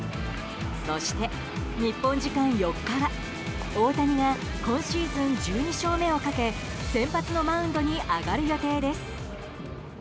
そして日本時間４日は大谷は今シーズン１２勝目をかけ先発のマウンドに上がる予定です。